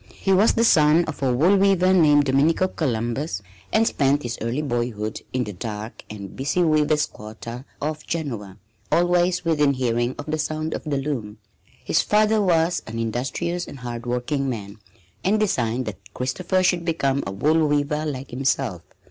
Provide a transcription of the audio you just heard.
He was the son of a wool weaver named Domenico Columbus, and spent his early boyhood in the dark and busy weaver's quarter of Genoa, always within hearing of the sound of the loom. His father was an industrious and hard working man, and designed that Christopher should become a wool weaver like himself.